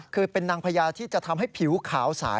คือเป็นนางพญาที่จะทำให้ผิวขาวสาย